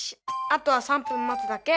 あとは３分待つだけ。